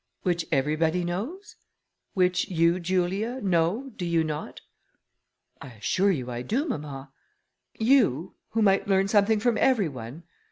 "Which everybody knows? which you, Julia, know, do you not?" "I assure you I do, mamma." "You, who might learn something from every one!